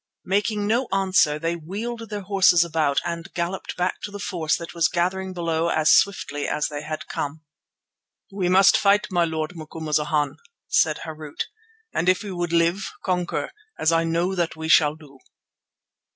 Making no answer, they wheeled their horses about and galloped back to the force that was gathering below as swiftly as they had come. "We must fight, my Lord Macumazana," said Harût, "and if we would live, conquer, as I know that we shall do."